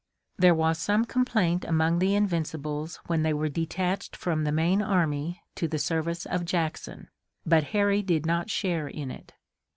There was some complaint among the Invincibles when they were detached from the main army to the service of Jackson, but Harry did not share in it.